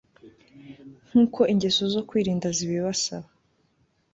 nkuko ingeso zo kwirinda zibibasaba